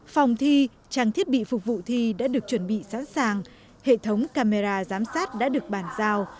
phòng thi trang thiết bị phục vụ thi đã được chuẩn bị sẵn sàng hệ thống camera giám sát đã được bàn giao